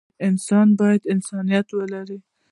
انسان بايد انسانيت ولري.